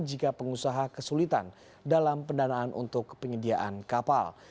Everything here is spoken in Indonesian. jika pengusaha kesulitan dalam pendanaan untuk penyediaan kapal